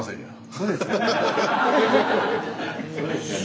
そうですよね。